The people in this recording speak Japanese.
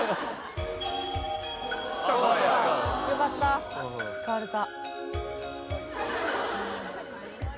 よかった使われた。